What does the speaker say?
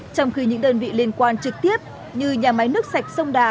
trong khi những đơn vị liên quan trực tiếp như nhà máy nước sạch sông đà